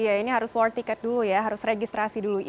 iya ini harus war ticket dulu ya harus registrasi dulu